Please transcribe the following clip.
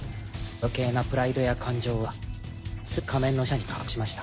余計なプライドや感情はすべて仮面の下に隠しました。